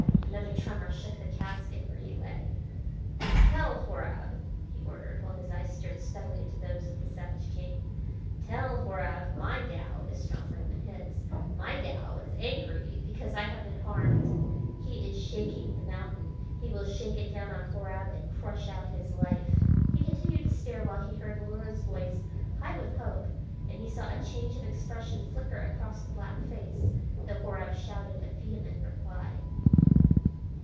Another tremor shook the casket where he lay. "Tell Horab," he ordered, while his eyes stared steadily into those of the savage king, " tell Horab my Tao is stronger than his. My Tao is angry because I have been harmed; he is shaking the mountain. He will shake it down on Horab and crush out his life." He continued to stare while he heard Luhra's voice, high with hope, and he saw a change of expression flicker across the black face, though Horab shouted a vehement reply.